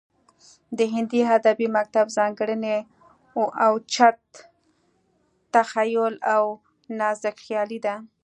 د هندي ادبي مکتب ځانګړنې اوچت تخیل او نازکخیالي ده